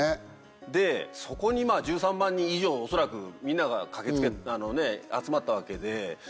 でそこに１３万人以上恐らくみんなが集まったわけで。